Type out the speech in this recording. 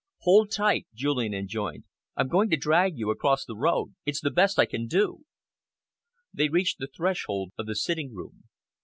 "Hold tight," Julian enjoined. "I'm going to drag you across the road. It's the best I can do." They reached the threshold of the sitting room.